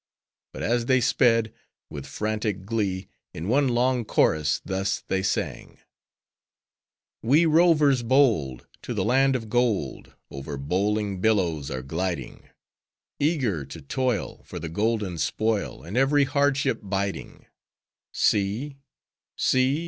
But as they sped, with frantic glee, in one long chorus thus they sang:— We rovers bold, To the land of Gold, Over bowling billows are gliding: Eager to toil, For the golden spoil, And every hardship biding. See! See!